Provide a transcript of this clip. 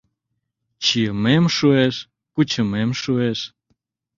Чийымем шуэш, кучымем шуэш.